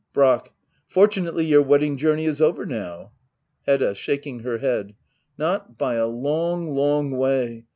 Brack, Fortunately your wedding journey is over now. Hedda. [Shaking her head.] Not by a long — ^long way.